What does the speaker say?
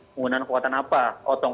menggunakan kekuatan apa otong